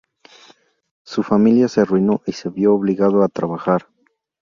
Su familia se arruinó y se vio obligado a trabajar.